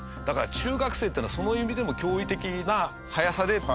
だから中学生っていうのはその意味でも驚異的な早さで。